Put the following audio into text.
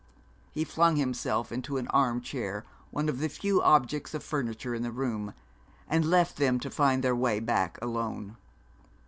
He flung himself into an arm chair, one of the few objects of furniture in the room, and left them to find their way back alone.